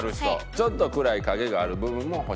ちょっと暗い影がある部分も欲しい？